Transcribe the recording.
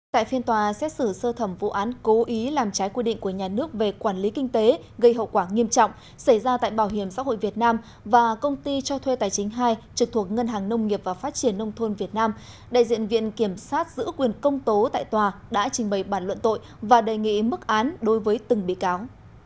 tại phiên tòa xét xử sơ thẩm vụ án cố ý làm trái quy định của nhà nước về quản lý kinh tế gây hậu quả nghiêm trọng xảy ra tại bảo hiểm xã hội việt nam và công ty cho thuê tài chính hai trực thuộc ngân hàng nông nghiệp và phát triển nông thôn việt nam đại diện viện kiểm sát giữ quyền công tố tại tòa đã trình bày bản luận tội và đề nghị mức án đối với từng bị cáo